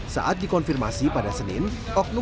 saat dikonfirmasi pada senin